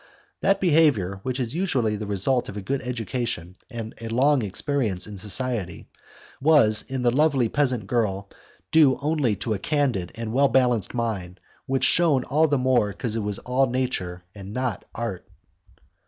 That behaviour, which is usually the result of a good education and a long experience of society, was in the lovely peasant girl due only to a candid and well balanced mind which shone all the more because it was all nature and not art.